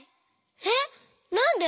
えっなんで？